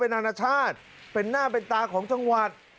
นานาชาติเป็นหน้าเป็นตาของจังหวัด